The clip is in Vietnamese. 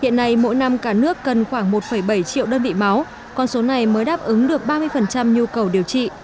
hiện nay mỗi năm cả nước cần khoảng một bảy triệu đơn vị máu con số này mới đáp ứng được ba mươi nhu cầu điều trị